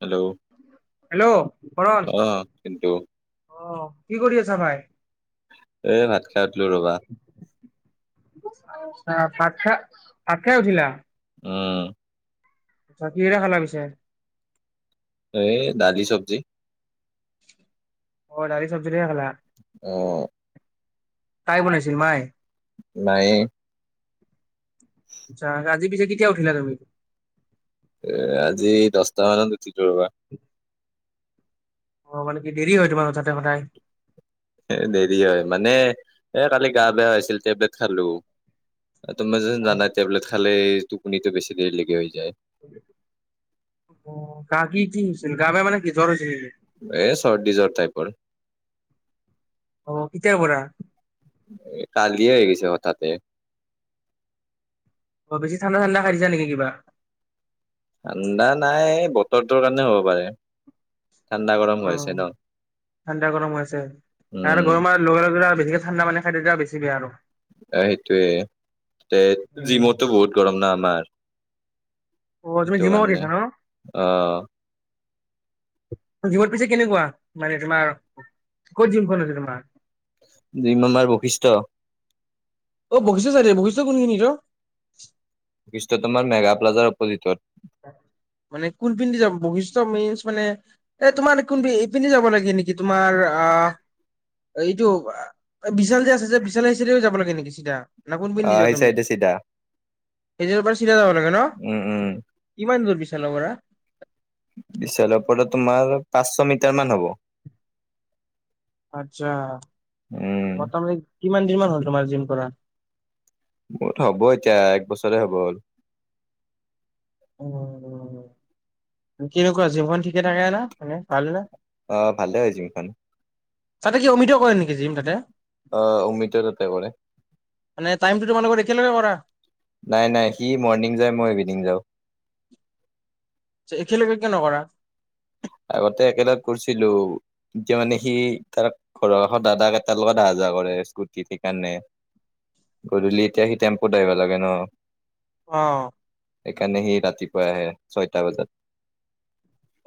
Hello hello কৰণ আহ কিন্তু আহ কি কৰি আছা ভাই? এ ভাত খাই উঠলো ৰবা। ভাত খাই ভাত খাই উঠিলা। উম চাহ কিহিৰে খালা পাছে? এ দালি চবজি। অ দালি চবজিৰে খালা। অ কাই বনাইছিল মাই? মায়ে আচ্ছা, আজি পিছে কেতিয়া উঠিলা তুমি? এ আজি দশটা মান উঠিলোঁ ৰবা। অ মানে কি দেৰি হয় তোমাৰ উঠাতে সদায় এ দেৰি হয় মানে এ কালি গা বেয়া হৈছিল টেবলেট খালোঁ। এ তুমি চোন জানাই টেবলেট খালে টোপনিতটো বেছি দেৰিলৈকে হৈ যায়। অ কাৰ কি কি হৈছে গা বেয়া মানে কি জ্বৰ হৈছিল নেকি? এ চৰ্দি জ্বৰ টাইপৰ। অ কেতিয়াৰ পৰা? এ কালিয়ে হৈ গৈছে হঠাতে। অ, বেছি ঠাণ্ডা ঠাণ্ডা খাই দিছা নিকি কিবা ঠাণ্ডা নাই বতৰটোৰ কাৰণে হ'ব পাৰে। ঠাণ্ডা গৰম হৈ অ, আছে ন ঠাণ্ডা গৰম হৈ আছে তাৰ উম গৰমৰ লগে লগে যেতিয়া বেছিকে ঠাণ্ডা পানী খাই তেতিয়া বেছি বেয়া আৰু এ সেইটোয়ে তে জিমতটো বহুত গৰম না আমাৰ অ তুমি সেইটো জিমো কৰি কাৰণে আছা ন আহ জিমত পিছে কেনেকুৱা মানে তোমাৰ ক'ত জিমখন আছে তোমাৰ? জিম আমাৰ বৈশিষ্ট অ বৈশিষ্ঠ চাইদে বশিষ্ঠ কোন খিনিত অহ বৈশিষ্ঠ তোমাৰ মেঘা প্লাজাৰ অপজিটত। মানে কোনপিনেদি যাব বৈশিষ্ট মেইনচ মানে এ তোমাৰ কোন এইপিনে যাব লাগে নেকি তোমাৰ আহ এইটো বিশাল যে আছে যে বিশাল সেইছাদেও যাব লাগে নেকি চিধা ন কোন পিনেদি অ' যাওঁ সেই তুমি চাইডে চিধা। সেইচাইদপা চিধাই যাব লাগে ন? উম উম কিমান দূৰ বিছালৰ বৰা বিশালৰ পৰা তোমাৰ পাঁচশ মিটাৰ মান হব আচ্ছা উম, মোটামুটি কিমান দিন মান হ'ল তোমাৰ জিম কৰা মোৰত হ'ব এতিয়া এক বছৰে হ'ব হ'ল উ কেনেকুৱা জীৱন ঠিকে থাকে না মানে ভাল ন অ ভালে হৈ যিমখন তাতে কি অমিত কৰে নেকি জিম তাতে অ উমিতৰ তাতে কৰে মানে টাইমটো তোমালোকৰ একেলগে কৰা নাই নাই সি মৰ্ণিং যায় মই ইভিনিং যাওঁ একলগে কিয় নকৰা আগতে একেলগ কৰিছিলো এতিয়া মানে সি তাৰ ঘৰৰ এখন দাদাক এটাৰ লগত অহা যোৱা কৰে স্কুটিত সেইকাৰণে গধূলি এতিয়া সি টেম্পুত আহিব লাগে ন অ সেইকাৰণে সি ৰাতিপুৱাই আহে ছয়টা বজাত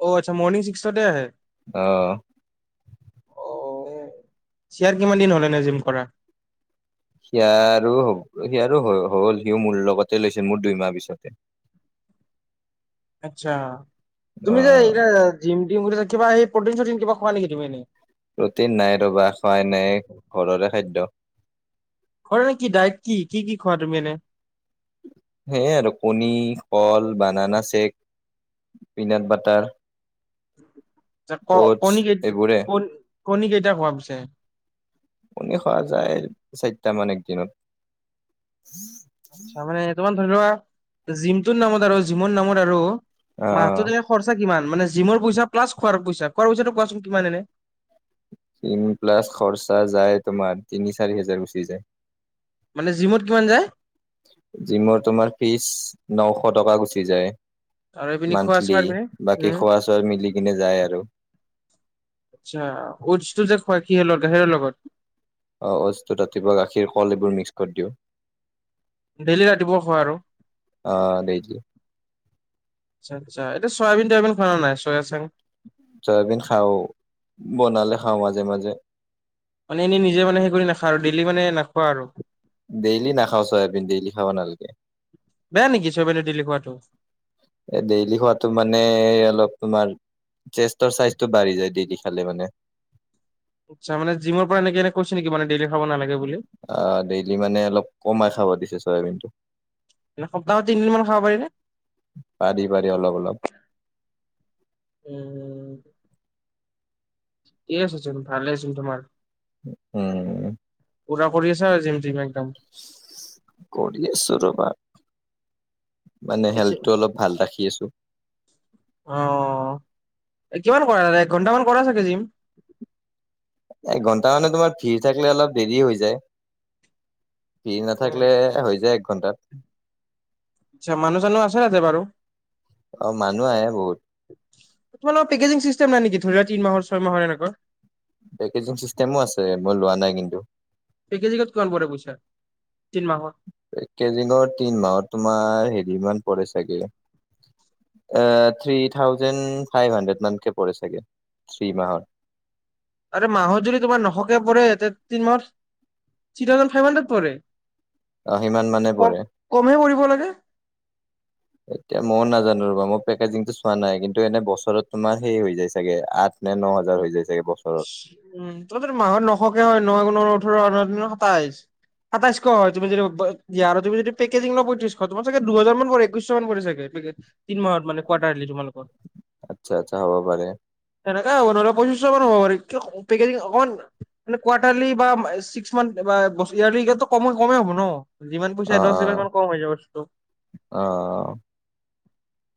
অ আচ্ছা মৰ্ণিং ছিক্সৰ ডে আহে অ অ চয়াৰ কিমান দিন হলে ন জিম কৰা সিয় আৰু হব সিয়াৰ হ'ল সিও মোৰ লগতে লৈছিল মোৰ দুইমাহ পিছতে আচ্ছা তুমি যে এই অ'। জিম কিবা সেই প্ৰ চ কিবা খোৱা নকি তুমি ৰটিন নাই ৰবা খোৱাই নাই ঘৰৰে খাদ্য খোৱাৰ নে কি ডায়েট কি কি কি খোৱা তুমি এনে সেয়াই আৰু কণী কল বানানা চেক পিনাট বাটাৰ ক অটছ কণী কেই এইবোৰে কণ কণী কেইটা খোৱা পিছে উনি সোৱা যায় চাৰিটা মান একদিনত আচছা মানে তোমাৰ ধৰি লোৱা জিমটোৰ নামত আৰু জিমৰ নামত আৰু মাহটো অ'। তেনে খৰচা কিমান মানে জিম পইা প্লাছ খোৱাৰ পইা খোৱাৰ পইছা কোৱাচোন কিমান এনে তিন প্লাছ খৰচা যায় তোমাৰ তিনি চাৰি হোজাৰ গুচি যায় মানে জিমত কিমান যায় জিমৰ তোমাৰ ফিজ নশ টকা গুচি যায় আৰু এইপিনে খোৱা মান্থলি চোৱাৰ পিনে বাকী উম খোৱা চোৱা মিলি কিনে যায় আৰু অওচটো যে খোৱা কিহত গাাহীৰৰ লগত অ অটো ৰাতিপুৱা গাখীৰ কল এইবোৰ মিক্স কৰি দিওঁ ডেইলি ৰাতিপুৱা খোৱা আৰু অ', ডেইলি আচ্ছা এটো চয়াবিন চয়াবিন খোৱা নাই চয়া চাং চয়াবিন খাওঁ বনালে খাওঁ মাজে মাজে মানে এনেই নিজে মানে হে কৰি নাখা আৰু ডেইলি মানে নাখোৱা আৰু ডেইলি নখাও চয়াবিন ডেইলি খাব নালাগে বেয়া নেকি ছয়বে ডিল কোৱাটো এ ডেইলি খোৱাতো মানে অলপ তোমাৰ চেষ্টৰ চাইজটো বাঢ়ি যায় ডেইলি খালে মানে আচ্ছানে জিমৰ পৰা এনেে এনে কৈছে নেকি মানে ডেইল খাব নালাগে বুলি অ ডেইলি মানে অলপ কমাই খাব দিছে চয়াবিন টো এনে সপ্তাহত তিনদিন মান খাব পাৰি নে পাৰি পাৰি অলপ অলপ [unintelligible] ঠিকে আছে চোন ভালে আছিল তোমাৰ। উম, পুৰা কৰি আছা জিম টিম একদম। কৰি আছোঁ ৰবা। মানে পিছে হেল্থটো অলপ ভাল ৰাখি আছো। অঁ, এই কিমান কৰা একঘণ্টামান কৰা চাগে জিম। একঘণ্টা মানে তোমাৰ ভিৰ থাকিলে অলপ দেৰি হৈ যায়। ভিৰ নাথাকিলে হৈ যায় এক ঘন্টাত। আচ্ছা মানুহ চানু আছে তাতে বাৰু, অ মানুহ আহে বহুত। তোমালোকৰ পেকেজিঙ চিষ্টেম নাই নেকি ধৰি লোৱা তিন মাহৰ ছয় মাহৰ এনেকুৱা। পেকেজিং চিষ্টেমো আছে মই লোৱা নাই কিন্তু। পেকেজিঙত কিমান পৰে পইচা, তিনি মাহত। পেকেজিঙৰ তিন মাহত তোমাৰ হেৰি মান পৰে চাগে, অ থ্ৰী থাউজেণ্ড ফাইভ হানড্ৰেড মানকে পৰে চাগে থ্ৰী মাহত। আৰু মাহত যদি তোমাৰ নখকে পৰে এ তিনিমাহ থ্ৰী থাউজেণ্ড ফাইভ হানড্ৰেড পৰে, অ সিমান মানে কম পৰে। কমহে পৰিব লাগে। এতিয়া মও নাজানো ৰবা মই পেকেজিংটো চোৱা নাই কিন্তু এনে বছৰত তোমাৰ সেই হৈ যায় চাগে আঠ, নে ন হাজাৰ হৈ যায় চাগে বচৰত। উম তহঁতৰ মাহত নশকে হয় ন দুগুনে ওঠৰ ন তিনি গুণ সাতাইশ, সাতাইছশ হয় তুমি যদি ই তুমি যদি পেকেজি ল পয়ত্ৰিশ তোমাৰ চাগে দুহজাৰ মান একৈশ মান পৰে চাগে পেকেজ। তিন মাহত মানে কোৱাৰটাৰ লি তোমালোকৰ। আচ্ছা আচ্ছা হব পাৰে। সেনেকে হব নহ'লে পঁচিছ মান হব পাৰে, কিয় পেকেজি অকমান মানে কোৱাৰ্টাৰলি বা ছিক্স মান্থ বা ইয়াৰলি কম কমেই হ'ব ন। যিমান পইচা অ দিব সিমান কম হৈ যায় বস্তটো। অ অ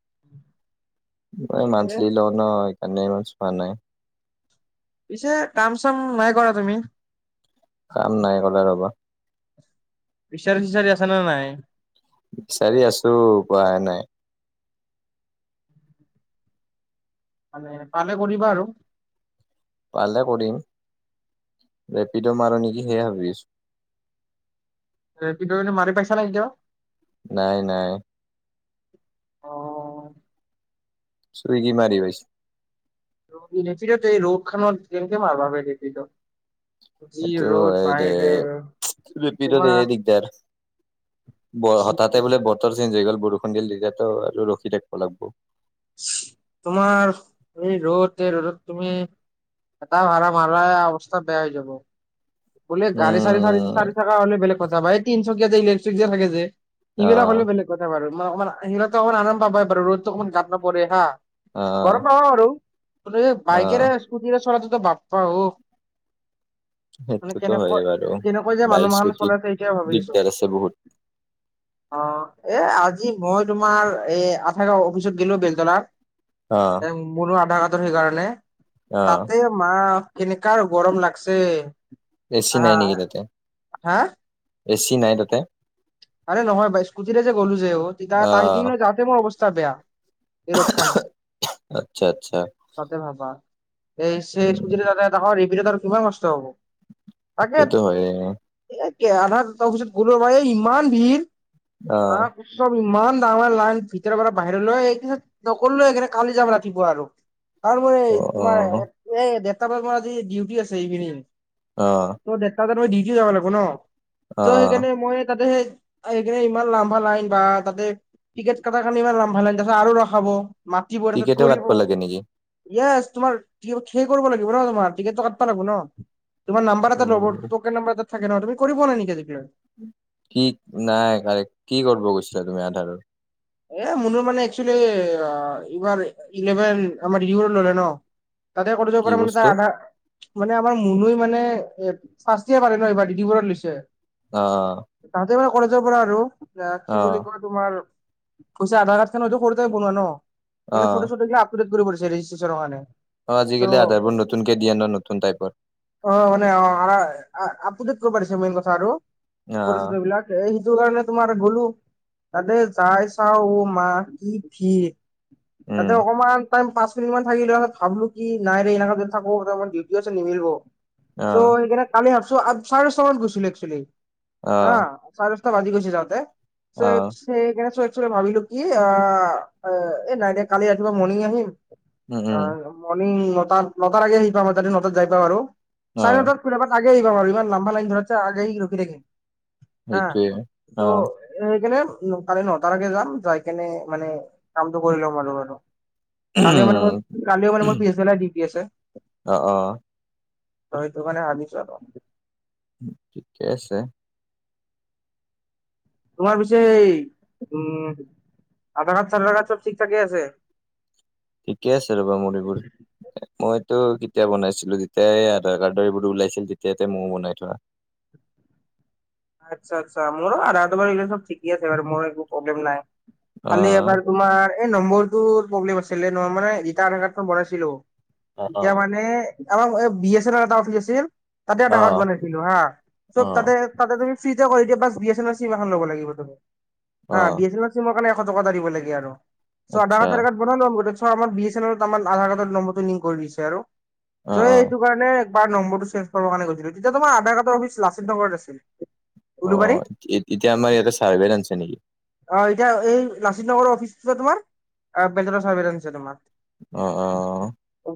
[inaudible] মই মান্থলি লও ন সেই কাৰণে ইমান চোৱা নাই। পিছে কাম চাম নাই কৰা তুমি? কাম নাই ক'ৰা ৰ'বা। বিচাৰ চিচাৰি আছা না নাই? বিচাৰি আছো পোৱাহে নাই। মানে পালে কৰিবা আৰু, পালে কৰিম। ৰেপিডো মাৰো নেকি সেয়াই ভাবি আছো। ৰেপিডো এনেই মাৰি পাইছা নে কেতিয়াবা? নাই নাই। অ', চুইগি মাৰি পাইছো। ৰেপিডো এই ৰ'দ খনত কেনেকে মাৰবাৰে ৰেপিডো। এইটো হয় দে ৰেপিডোত তোমাৰ সেয়ে দিকদাৰ। ব হঠাতে বোলে বতৰ চেঞ্জ হৈ গ'ল বৰষুণ দিলে তেতিয়াতো আৰু ৰখি থাকব লাগব। তোমাৰ এই ৰ'দ এই ৰ'দত তুমি, এটা ভাৰা মাৰাই অৱস্থা বেয়া হৈ যাব। বোলে গাড়ী চাৰি, উম চাৰি থকা হ'লে বেলেগ কথা বা এই তিনিচকীয়া যে ইলেক্ট্ৰিক যে থাকে যে, সিবিলাক আহ হলেও বেলেগ কথা বাৰু, মই অকমান সিহঁতি অকণ আৰাম পাবাই বাৰু ৰ'দতটো অকমান গাত নপৰে হা। আহ ঘৰত পাবা আৰু আহ বাইকেৰে, স্কুটিৰে চলাটোতো বাপ্পা অঁ! মানে সেইটোতো হয়ে কেনেকৈ বাৰু কেনেকৈ যে মানুহ বাইক মাহান স্কুটিত চলে তাকেহে ভাবিছোঁ। দিগদাৰ আছে বহুত অঁ, এ আজি মই তোমাৰ এই গড়গাঁওৰ অফিচত গলো বেলতলাত। অঁ। মনো আধা বাটতে সেইকাৰণে। অ তাতে মা কেনেকা গৰম লাগছে। এ চি আহা নাই নেকি তাতে, হা এ চি নাই তাতে? আৰে নহয় বাই স্কুটিৰে যে গ'লো যে তেতিয়া অ তাই কিনো যাওঁতে মোৰ অৱস্থা বেয়া। এ ৰদ খালোঁ। আচ্ছা আচ্ছা তাতে ভাবা এই উম, খুজৰে তাতে ত এবি ত আৰু কিমান কষ্ট হব! তাকে এইটোতো হয়ে এ আধা তাৰপিছত গলৰ বাৰ ইমান ভিৰ। অ মা- চব ইমান ডাঙৰ লাইন ভিতৰৰ পৰা বাহিৰলৈ, নকৰো সেইকাৰণে কালি যাম ৰাতিপুৱা আৰু। তাৰ পৰে অ অ তোমাৰ এই দেৰটা বজা পৰা আজি ডিউটি আছে ইভিনিং। অঁ। ত ডেৰতা বজাত মই ডিউটি যাব লাগিব ন, ত অ সেইকাৰণে মই তাতে হে- সেইকাৰণে ইমান লাম্বা লাইন বা তাতে টিকেট কটাৰ কাৰণে ইমান লম্বা লাইন তাতে আৰু ৰখাব। মাতিব তাৰপিছত টিকেটো কাটব কৰিব। লাগে নেকি ইয়েছ, তোমাৰ খেই কৰিব লাগিব ন তোমাৰ, টিকেটটো কাটব লাগিব ন। তোমাৰ নাম্বাৰ অ এটা ৰ'ব টোকেন নাম্বাৰ এটা থাকে ন, তুমি কৰি পোৱা নাই নেকি? কি নাই ভাই, কি কৰিব গৈছিলা তুমি আধাৰৰ? এ মন মানে একচুৱেলি এইবাৰ ইলেভেন আমাৰ ইউৰ ল'ৰা ন। তাতে কলেজৰ কি পৰা মানে তাৰ বস্তু আধা মানে আমাৰ মুনু মানে এ ফাষ্ট ইয়েৰ পাৰে ন এইবাৰ- কিহৰ লৈছে, অ তাহ মানে কলেজৰ পৰা আৰু অ কি বুলি কয় তোমাৰ- কৈছে আধাৰ কাৰ্ড খনতো সৰুতে বনোৱা ন, এনে অ ফটো চিল আপুডেট কৰিছে ৰেজিষ্ট্ৰেচ কাৰণে। অঁ আজিকালি আধাৰবোৰ চ' নতুনকে দিয়ে ন, নতুন টাইপৰ। অঁ মানে অঁ আপুডেট কৰিব দিছে মেইন কথা আৰু অ অৰিজিনেল বিলাক- এ সেইটো কাৰণে তোমাৰ গলো তাতে যাই চাওঁ অঁ মা কি ভিৰ। তাতে উম অকমান- পাঁচ মিনিটমান থাকিলে ভাবলো কি নাইৰে এই এনেকা যদি থাকোম ডিউটি আছে নিমিলিব। অ চ' সেইকাৰণে কালি ভাবছো চাৰে দশটা মান গৈছিলো একচুৱেলি অ হা। চাৰে দশটা বাজি গৈছে যাওঁতে। অ সেইকাৰণে চৰে চৰে ভাবিলো কি আ এই নাই কালি ৰাতিপুৱা মৰণিং আহিম। উম উম অঁ মৰ্ণিং নটা নটা আহি পাম, তাতে নটাত যাই পাম আৰু। অ চাৰে নটাত কেতিয়াবা আগে আহি ইমান লম্বা লাইন ধৰাতে আগে আহি ৰখি থাকিম। হা, সেইটোৱে অ তো- সেইকাৰণে কালি নটাৰ আগে যাম, যাই কেনে মানে কামটো কৰি ল'ম আৰু আৰু- কালিও মানে কালিও মানে মোৰ পিছ বেলাই ডিউতি আছে। অঁ, অঁ। ত সেইটো কাৰনে ভাবিছো আৰু। ঠিকে আছে। তোমাৰ পিছে এই আধাৰ কাৰ্ড চাধাৰ কাৰ্ড চব ঠিক ঠাকে আছে। ঠিকে আছে ৰ'বা মোৰ এইবোৰ। মইতো কেতিয়া বনাইছিলো যেতিয়া এই আধাৰ কাৰ্ড এইবোৰো ওলাইছিল তেতিয়াতে ময়ও বনাই থোৱা। আচ্ছা, আচ্ছা মোৰ আধাৰটো ঠিকেই আছে বাৰু মোৰ একো প্ৰব্লেম নাই, অ খালি এবাৰ- তোমাৰ এই নম্বৰটো প্ৰব্লেম আছিলে ন মানে ৰিটাৰ আধাৰ কাৰ্ড বনাইছিলো। অ এতিয়া মানে আমাৰ বি এছ এল এটা অফিচ আছিল। তাতে এটা অ অ যাগাত বনাইছিলো হা চব অ তাতে- তাতে তুমি ফ্ৰী কৰি দিয়া বাছ B S A R SIM এখন ল'ব লাগিব তুমি অ বি এ আৰ। চিমৰ কাৰণে এশ টকা এটা দিব লাগে আৰু। বি আচ্ছা এছ এমৰ আধা কাডৰ নম্বটো লিংক কৰি দিছে আৰু অ অ চ মানে একবাৰ নম্বৰটো চেঞ্জ কৰিবৰ কাৰণে গৈছিলো তেতিয়া তোমাৰ আধাৰ কাৰ্ডৰ অফিচ লাচিত নগৰত আছিল। অ উলুবাৰী এতিয়া আমাৰ ইয়াতে চাৰ্ভেত আনিছে নেকি? অ এতিয়া এই লাচিত নগৰৰ অফিচটো তোমাৰ বেলতলা চাৰ্ভছে আহিছে তোমাৰ। অ অ। অ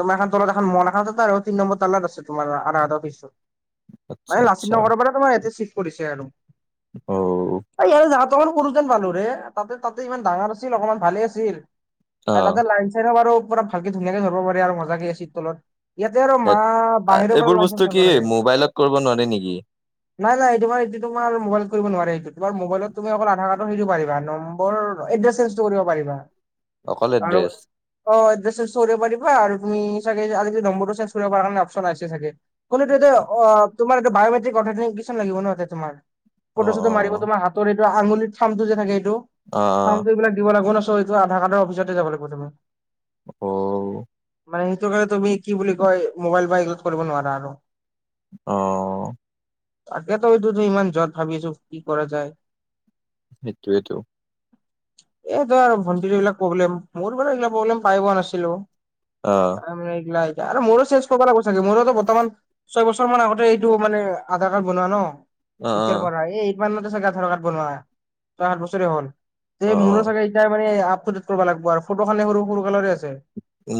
তোমাৰ এখন তলত এখন মনখা আছে তাৰে তিনি নম্বৰ তালাত আছে তোমাৰ আধাকাডৰ অফিচটো। আচ্ছা মানে লাচিত আচ্ছা নগৰৰ পৰা তোমাৰ ই চিফ কৰিছে আৰু। অ তামাম সৰু যেন পালো ৰে তাতে তাতে ইমান ডাঙৰ আছিল অকমান ভালে আছিল। আৰু তাতে অ লাইন চাইন বাৰু পুৰা ভালকে ধুনীয়াকে ধৰিব পাৰি আৰু মজাকে এ চী ৰ তলত। ইয়াতে আৰু মা আ, বাহিৰৰ পৰা এইবোৰ লাই যাম বস্তু চাব কি লাগে। মোবাইলত কৰিব নোৱাৰে নেকি? নাই নাই তোমাৰ এইটো তোমাৰ মোবাইলত কৰিব নোৱাৰে তোমাৰ মোবাইলত তুমি অকল আধাৰ কাডটৰ সেইটো পাৰিবা ন নম্বৰ এতিয়া চেঞ্জ কৰিব পাৰিবা। অকল আৰু এড্ৰেছ। অ চব পাৰিবা আৰু তুমি চাগে আজি নম্বৰটো চ চব পাৰ কাৰে অপচন আছে চাগে। কোনটো এ অ তোমাৰ এটা বায়মেট্ৰিক অ কিমান লাগিব ন তোমাৰ অ ফটো অ চটো মাৰিব তোমাৰ হাত- এইটো আঙুলিত থাৰ্ম টো যে থাকে এইটো, অ থাৰ্মটো এইবিলাক দিব লাগিব না চো- টো আধাৰ কাৰ্ডৰ অফিচতে যাব লাগিব তুমি। অহ। মানে সেইটো কাৰণে তুমি কি বুলি কয় মোবাইল বা এইবিলাকত কৰিব নোৱাৰা আৰু। অহ। তাকেতো এইটো ইমান জ্বত ভাবি আছো কি কৰা যায়। সেইটোৱেটো। [inaudible] এইটো আৰু ভণ্টিৰ এইবিলাক প্ৰব্লেম মোৰ বাৰু এইবিলাক প্ৰব্লেম পাই পোৱা নাছিলো। অহ। আৰু মোৰো চেঞ্জ কৰিবা লাগিব চাগে মোৰোতো বৰ্তমান ছয় বছৰ মান আগতে- এইটো মানে আধাৰ কাৰ্ড বনোৱা ন, অ এতিয়া ৰ অ পৰা এই- ইমানতে চাগে আধাৰ কাড বনোৱা, তো আত বছৰে হ'ল অ তে অ মোৰো চাগে- এতিয়া মানে আপড কৰিব লাগিব আৰু ফটো খানে সৰু সৰু কালৰে আছে।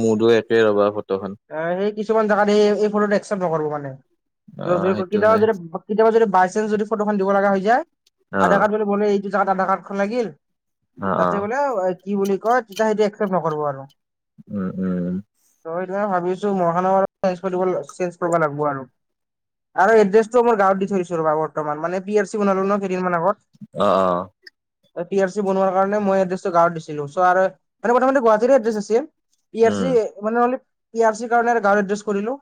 মোৰো একে ৰবা ফটোখন। অ সেই কিছুমান জাগাত এই ফটো একচেপ্ট নকৰোঁ মানে। অ সেইটো কেতিয়াবা হয় যদি কেতিয়াবা যদি বাইচেন্ঞ্চ যদি ফটোখন দিব লগা হৈ যায় অ আধাৰ কাৰ্ড- বোলে এইটো যাগাত আধাৰ কাডখন লাগিল, অ অ তাতে বোলে- কি বুলি কয় তেতিয়া সেইটো একচেপ্ট নকৰিব আৰু। উম উম। তই সেইয়াে ভাবিছো মহানগৰত চেঞ্জ কৰিব লাগিব আৰু। আৰু এড্ৰেছটো মই গাঁৱত দি থৈছো ৰবা বৰ্তমান মানে পি আৰ চি বনালো ন কেইদিনমান আগত। অহ অহ। পি আৰ চি বনোৱাৰ কাৰণে মই এড্ৰেছটো গাৱত দিছিলো' আৰু। মানে প্ৰথমতে গুৱাহাটীৰে এড্ৰেচ আছিল। পি আৰ চি উম মানে নহলে পি আৰ চি কাৰণে গাঁৱৰ এড্ৰেছ কৰিলো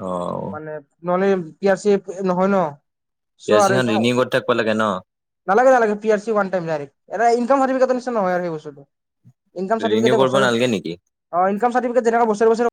অ মানে নহলে পি আৰ চী নহয় ন চো আৰু পিয়াচিঙত এতিয়া ৰিনিউ কৰি থাকিব লাগে ন নালাগে নালাগে P R C one time direct income চাৰটিফিকেটৰ নিচিনা নহয় আৰু সেই বস্তুটো। ইনকাম ৰিনিউ চাৰটিফিকেটে কৰিব বছৰে নালাগে নেকি? অহ ইনকাম চাৰটিফিকেটে বছৰে - বছৰে